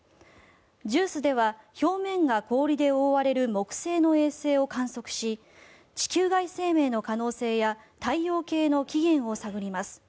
ＪＵＩＣＥでは表面が氷で覆われる木星の衛星を観測し地球外生命の可能性や太陽系の起源を探ります。